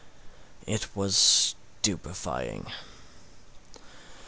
It was stupefying.